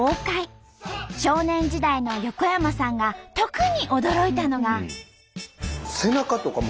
少年時代の横山さんが特に驚いたのが。